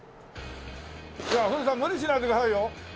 古田さん無理しないでくださいよ。